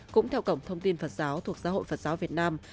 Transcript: cũng theo cổng thông tin phật giáo thuộc giáo hội phật giáo việt nam